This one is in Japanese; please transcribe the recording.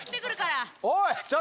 おいちょっと！